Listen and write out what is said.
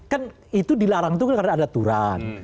kan itu dilarang itu karena ada aturan